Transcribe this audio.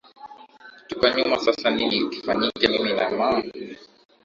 tuko nyuma sasa nini kifanyike mimi na ma